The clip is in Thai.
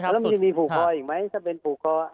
แล้วมันจะมีผูกคออีกไหมถ้าเป็นผูกคอ